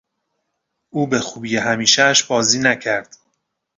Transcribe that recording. او به خوبی همیشهاش بازی نکرد.